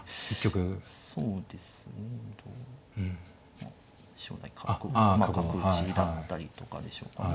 まあ将来角打ちだったりとかでしょうかね。